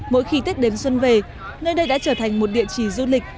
mỗi khi tết đến xuân về nơi đây đã trở thành một địa chỉ du lịch